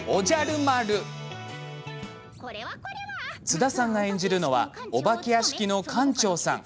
津田さんが演じるのはお化け屋敷の館長さん。